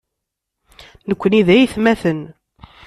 Nekkni d aytmaten.